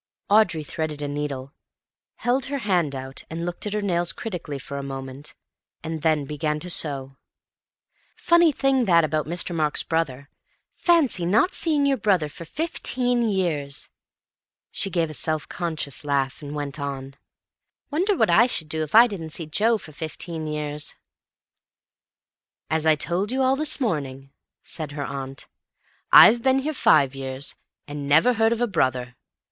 Audrey threaded a needle, held her hand out and looked at her nails critically for a moment, and then began to sew. "Funny thing that about Mr. Mark's brother. Fancy not seeing your brother for fifteen years." She gave a self conscious laugh and went on, "Wonder what I should do if I didn't see Joe for fifteen years." "As I told you all this morning," said her aunt, "I've been here five years, and never heard of a brother.